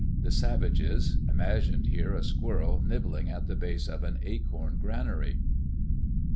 The savages... imagined here a squirrel nibbling at the base of an acorn granary.